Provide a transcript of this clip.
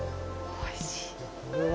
おいしい！